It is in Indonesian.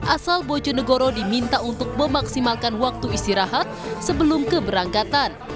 asal bojonegoro diminta untuk memaksimalkan waktu istirahat sebelum keberangkatan